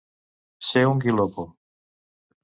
Ser un guilopo.